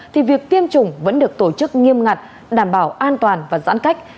thì việc tiêm chủng vẫn được tổ chức nghiêm ngặt đảm bảo an toàn và giãn cách